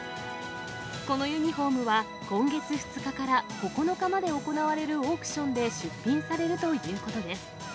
このユニホームは、今月２日から９日まで行われるオークションで出品されるということです。